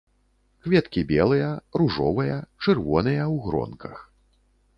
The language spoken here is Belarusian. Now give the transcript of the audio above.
Кветкі белыя, ружовыя, чырвоныя ў гронках.